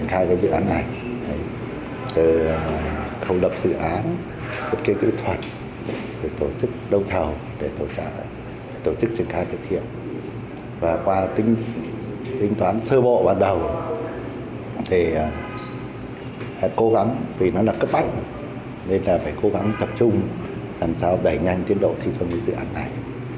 hãy cố gắng vì nó là cấp bách nên là phải cố gắng tập trung làm sao đẩy nhanh tiến độ thi thương với dự án này